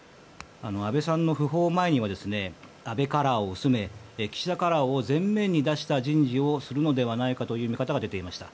安倍さんの訃報前には安倍カラーを薄め岸田カラーを前面に出した人事をするのではないかという見方が出ていました。